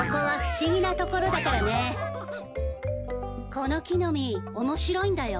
この木の実面白いんだよ。